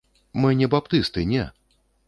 Мы не баптысты, не.